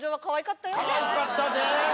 かわいかったで！